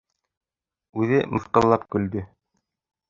Үҙе мыҫҡыллап көлдө.